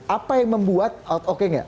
apa yang membuat out oke gak